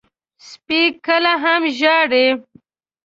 سپي کله هم ژاړي.